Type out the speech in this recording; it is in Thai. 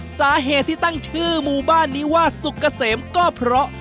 สาเหตุที่ตั้งชื่อหมู่บ้านนี้ว่าสุกเกษมก็เพราะ